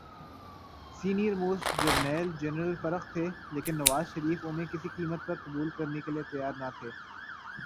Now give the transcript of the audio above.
Senior most جرنیل general Farrukh تھے‘ لیکن نواز شریف انہیں کسی قیمت پر قبول کرنے کیلئے تیار نہ تھے۔